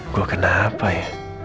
kok kenapa ya